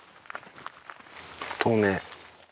透明。